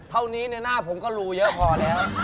เท่านี้หน้าผมก็รูเยอะพอแล้ว